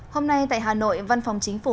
hôm nay tại hà nội văn phòng chính phủ